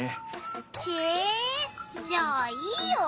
ちぇじゃあいいよ